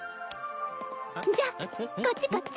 じゃあこっちこっち。